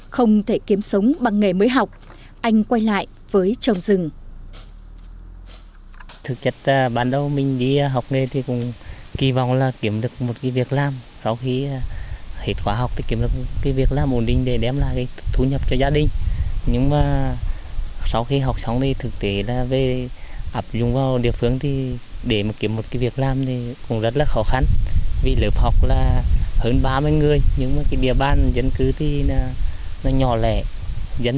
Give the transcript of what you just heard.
không thể kiếm sống bằng nghề mới học anh quay lại với trồng rừng